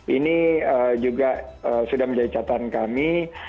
ini juga sudah menjadi catatan kami